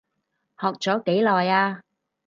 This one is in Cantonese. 學咗幾耐啊？